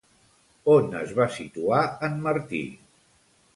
On es va situar en Martí?